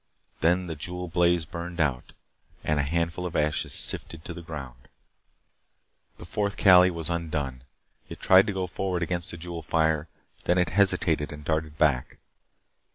Then the jewel blaze burned out, and a handful of ashes sifted to the ground. The fourth Kali was undone. It tried to go forward against that jewel fire. Then it hesitated and darted back.